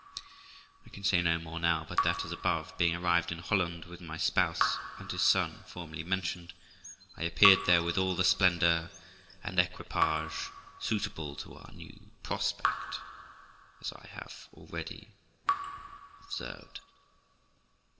I can say no more now, but that, as above, being arrived in Holland, with my spouse and his son, formerly mentioned, I appeared there with all the splendour and equipage suitable to our new prospect, as I have already observed.